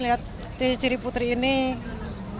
lihat tv ciri putri itu